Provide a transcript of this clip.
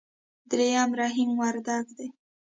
درېم رحيم وردګ دی.